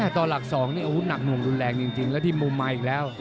ตอนหลัก๒นี่อาวุธหนักหน่วงรุนแรงจริงแล้วที่มุมมาอีกแล้ว